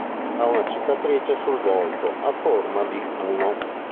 Ha una cicatrice sul volto a forma di uno.